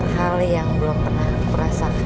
hal yang belum pernah aku rasakan